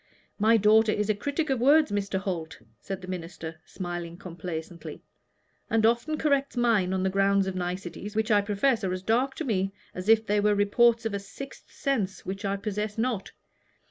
"My daughter is a critic of words, Mr. Holt," said the minister, smiling complacently, "and often corrects mine on the ground of niceties, which I profess are as dark to me as if they were the reports of a sixth sense which I possess not.